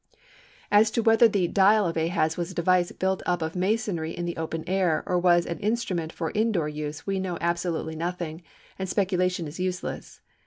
As to whether the "dial" of Ahaz was a device built up of masonry in the open air or was an instrument for indoor use we know absolutely nothing, and speculation is useless.